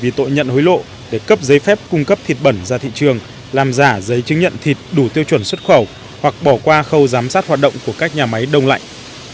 vì tội nhận hối lộ để cấp giấy phép cung cấp thịt bẩn ra thị trường làm giả giấy chứng nhận thịt đủ tiêu chuẩn xuất khẩu hoặc bỏ qua khâu giám sát hoạt động của các nhà máy đông lạnh